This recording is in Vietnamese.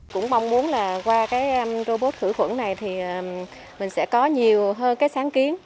cũng mong muốn là qua cái robot khử khuẩn này thì mình sẽ có nhiều hơn cái sáng kiến